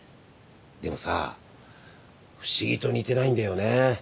でもさ不思議と似てないんだよねうん。